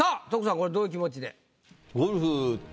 これどういう気持ちで？